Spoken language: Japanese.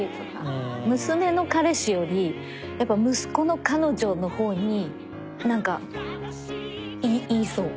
娘の彼氏よりやっぱ息子の彼女のほうになんか言いそう。